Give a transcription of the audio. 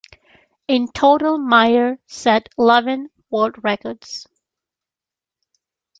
In total, Maier set eleven world records.